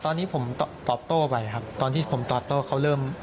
ตอนนี้ผมตอบโต้ไปครับตอนที่ผมตอบโต้เขาเริ่ม